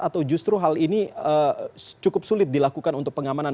atau justru hal ini cukup sulit dilakukan untuk pengamanan